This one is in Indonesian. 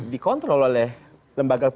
dikontrol oleh lembaga